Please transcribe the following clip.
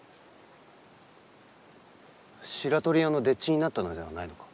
白鳥屋の丁稚になったのではないのか？